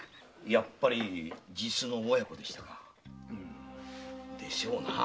やっぱり実の親子でしたか。でしょうなぁ。